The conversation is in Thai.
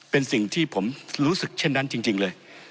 เป็นสิ่งที่ผมรู้สึกเช่นนั้นจริงเลย